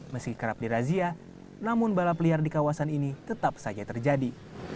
meski kerap dirazia namun balap liar di kawasan ini tetap saja terjadi